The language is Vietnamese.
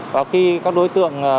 và khi các đối tượng